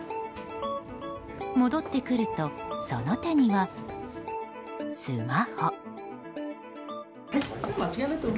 戻ってくると、その手にはスマホ。